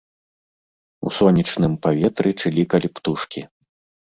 У сонечным паветры чылікалі птушкі.